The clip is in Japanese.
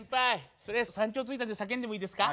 とりあえず山頂着いたんで叫んでもいいですか？